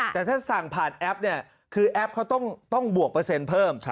แต่ถ้าสั่งผ่านแอปเนี่ยคือแอปเขาต้องบวกเปอร์เซ็นต์เพิ่ม